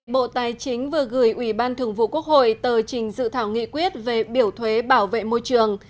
bộ tài chính vừa gửi ủy ban thường vụ quốc hội tờ trình dự thảo nghị quyết về biểu thuế bảo vệ môi trường